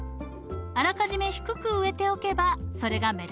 あらかじめ低く植えておけばそれが目立ちません。